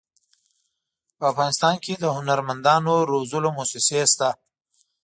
په افغانستان کې د هنرمندانو روزلو مؤسسې شته.